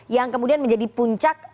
yang kemudian menjadi puncak